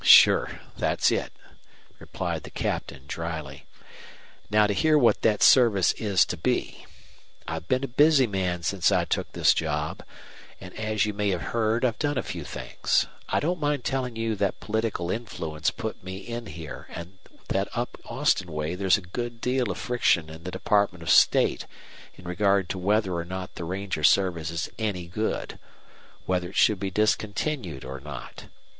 "Sure. That's it," replied the Captain, dryly. "Now to hear what that service is to be. I've been a busy man since I took this job, and, as you may have heard, I've done a few things. I don't mind telling you that political influence put me in here and that up Austin way there's a good deal of friction in the Department of State in regard to whether or not the ranger service is any good whether it should be discontinued or not.